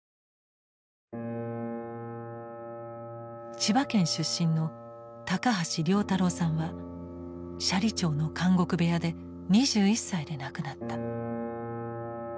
千葉県出身の高橋良太郎さんは斜里町の「監獄部屋」で２１歳で亡くなった。